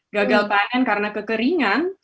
gagal panen karena kekeringan